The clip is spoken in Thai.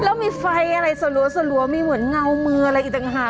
แล้วมีไฟอะไรสลัวมีเหมือนเงามืออะไรอีกต่างหาก